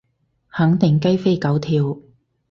肯定雞飛狗跳